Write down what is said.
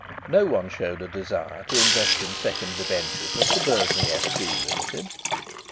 No one showed a desire to invest in second debentures of the Bursley F.C. Ltd.